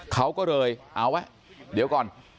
เขาก็เลยเอาไว้เดี๋ยวก่อน